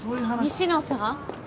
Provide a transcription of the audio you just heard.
西野さん？